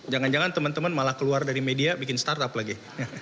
jangan jangan teman teman malah keluar dari media bikin startup lagi